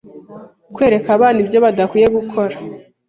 kwereka abana ibyo badakwiye gukora